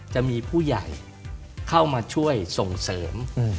จะมีผู้ใหญ่เข้ามาช่วยส่งเสริม